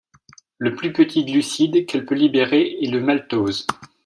Le plus petit glucide qu'elle peut libérer est le maltose.